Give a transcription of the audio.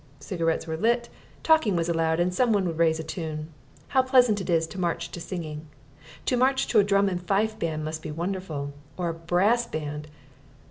Cigarettes were lit, talking was allowed, and someone would raise a tune. How pleasant it is to march to singing! To march to a drum and fife band must be wonderful. Or a brass band